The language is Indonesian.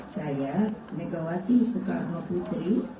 saya megawati soekarno putri